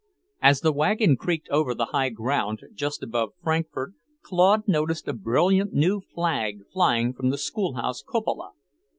As the wagon creaked over the high ground just above Frankfort, Claude noticed a brilliant new flag flying from the schoolhouse cupola.